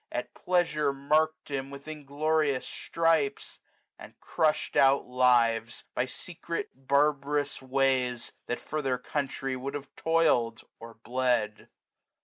At pleasure mark'd him with inglorious stripes ; And cmsh'd out lives, by secret barbarous ways. That for their country would have toil'd, or bled.